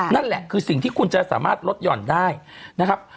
นั่นแหละคือสิ่งที่คุณจะสามารถลดหย่อนได้นะครับ